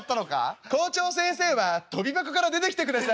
「校長先生はとび箱から出てきてください」。